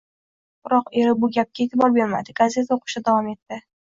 Biroq eri bu gapga eʼtibor bermadi, gazeta oʻqishda davom etdi